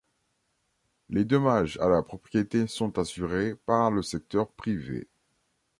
Les dommages à la propriété sont assurés par le secteur privé.